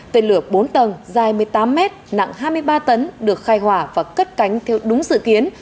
tên lửa bốn tầng dài một mươi tám mét nặng hai mươi ba tấn được khai hỏa và cất cánh theo đúng dự kiến